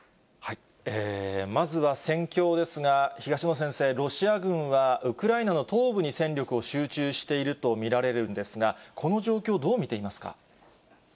まずは、戦況ですが、東野先生、ロシア軍はウクライナの東部に戦力を集中していると見られるんですが、この状況、どう見ていますか。